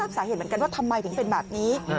สาเหตุเหมือนกันว่าทำไมถึงเป็นแบบนี้